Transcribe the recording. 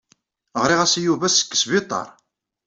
Ɣriɣ-as-d i Yuba seg wesbiṭar.